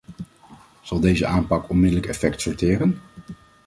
Zal deze aanpak onmiddellijk effect sorteren?